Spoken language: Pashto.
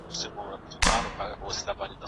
romi بانجان ډیرې ګټې لري.